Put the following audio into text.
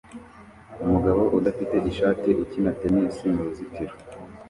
Umugabo udafite ishati ukina tennis mu ruzitiro